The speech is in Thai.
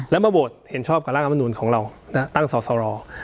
แล้วมาโหวตเห็นชอบกับร่างรัฐมนุนของเราตั้งสอสร